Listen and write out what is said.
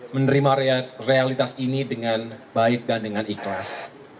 menerima realitas ini dengan baik dan dengan ikhlas